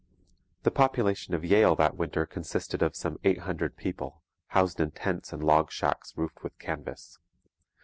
The population of Yale that winter consisted of some eight hundred people, housed in tents and log shacks roofed with canvas.